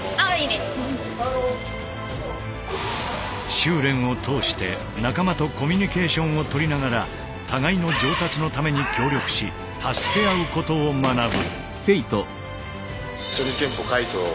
修練を通して仲間とコミュニケーションを取りながら互いの上達のために協力し助け合うことを学ぶ。